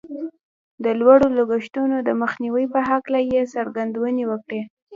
د لوړو لګښتونو د مخنیوي په هکله یې څرګندونې وکړې